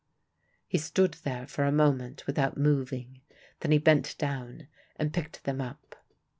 He stood there for a moment without moving. Then he bent down and picked them up.